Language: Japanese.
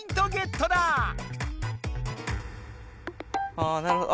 あなるほど。